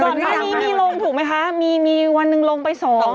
ก่อนข้างนี้มีลงถูกไหมคะมีวันนึงลงไป๒